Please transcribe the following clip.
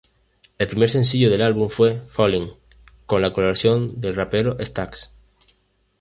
El primer sencillo del álbum fue "Falling" con la colaboración del rapero Stack$.